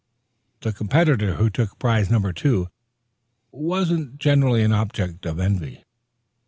The competitor who took prize No. 2. wasn't generally an object of envy.